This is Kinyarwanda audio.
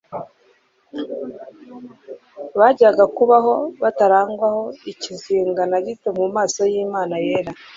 bajyaga kubaho batarangwaho ikizinga na gito mu maso yImana yera